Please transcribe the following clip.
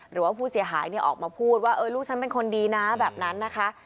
หรือว่าผู้เสียหายออกมาพูดว่าลูกฉันเป็นคนดีนะแบบนั้นนะคะ